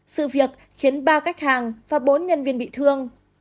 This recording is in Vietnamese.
sự việc khiến ba khách hàng và bốn nhân viên bị thương